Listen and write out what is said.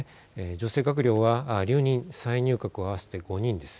女性閣僚は留任、再入閣を合わせて５人です。